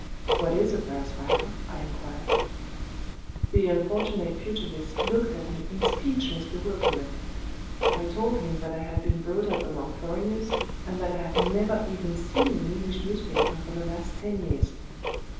"What is a prize fighter?" I inquired. The unfortunate pugilist looked at me in speechless bewilderment. I told him that I had been brought up among foreigners, and that I had never even seen an English newspaper for the last ten years.